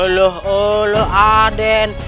alah alah aden